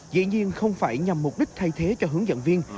dĩ nhiên không phải nhằm mục đích thay thế cho hướng dẫn viên